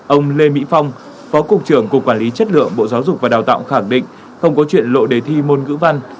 ông lê mỹ phong phó cục trưởng cục quản lý chất lượng bộ giáo dục và đào tạo khẳng định không có chuyện lộ đề thi môn ngữ văn